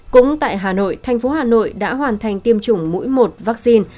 cũng tại hà nội thành phố hà nội đã hoàn thành tiêm chủng mũi một vaccine